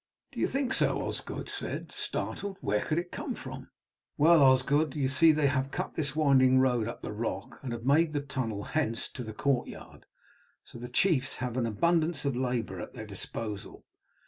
"Do you think so?" Osgod said, startled. "Where could it come from?" "Well, Osgod, you see they have cut this winding road up the rock and have made the tunnel hence to the courtyard, so the chiefs have had abundance of labour at their disposal.